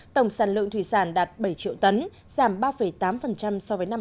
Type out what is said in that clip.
tổng sản lượng thủy sản đạt bảy triệu tấn giảm ba tám so với năm hai nghìn một mươi